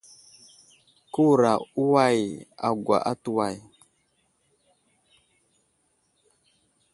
Kewura uway agwa atu way.